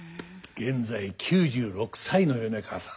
現在９６歳の米川さん。